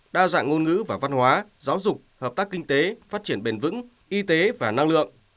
đa dạng ngôn ngữ và văn hóa giáo dục hợp tác kinh tế phát triển bền vững y tế và năng lượng